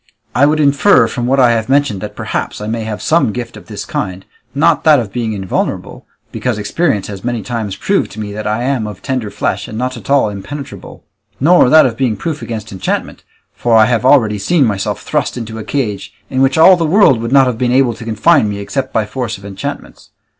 I would infer from what I have mentioned that perhaps I may have some gift of this kind, not that of being invulnerable, because experience has many times proved to me that I am of tender flesh and not at all impenetrable; nor that of being proof against enchantment, for I have already seen myself thrust into a cage, in which all the world would not have been able to confine me except by force of enchantments.